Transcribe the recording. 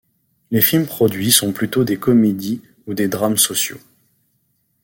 Les films produits sont plutôt des comédies ou des drames sociaux.